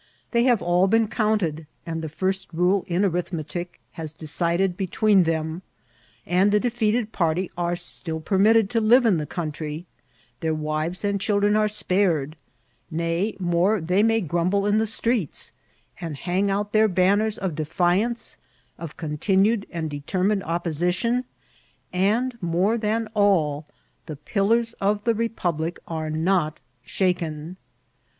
They have all been counted, and the first rule in arithme tic has decided between them ; and the defeated party are still permitted to live in the country ; their wives and children are spared; nay, more, they may grum ble in the streets, and hang out their banners of de fiance, of continued and determined opposition : and, more than all, the pillars of the republic are not sha ken